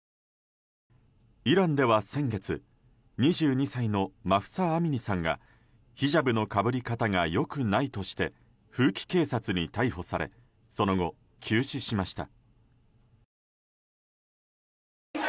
イランでは先月２２歳のマフサ・アミニさんがヒジャブのかぶり方が良くないとして風紀警察に逮捕されその後、急死しました。